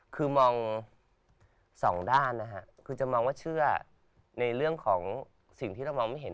คือมองสองด้านนะฮะคือจะมองว่าเชื่อในเรื่องของสิ่งที่เรามองไม่เห็น